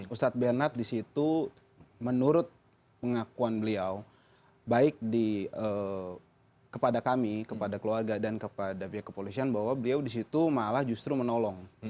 ustadz bernard di situ menurut pengakuan beliau baik di kepada kami kepada keluarga dan kepada pihak kepolisian bahwa beliau di situ malah justru menolong